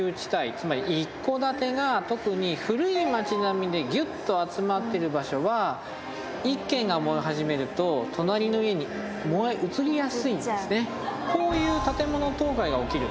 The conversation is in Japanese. つまり一戸建てが特に古い街並みでぎゅっと集まってる場所は１軒が燃え始めると隣の家に燃え移りやすいんですね。